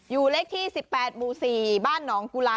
อยู่เลขที่๑๘มู๔บ้านน้องกุล่า